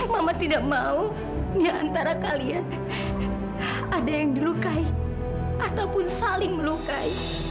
mama tidak mau diantara kalian ada yang dilukai ataupun saling melukai